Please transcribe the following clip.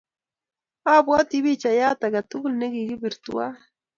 Apwoti pichaiyat ake tukul ne kikipir twai.